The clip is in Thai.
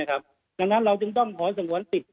ดังนั้นเราจึงต้องสังหวัญศิษย์